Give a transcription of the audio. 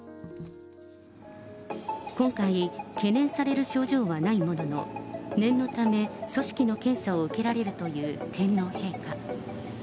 今回、懸念される症状はないものの、念のため組織の検査を受けられるという天皇陛下。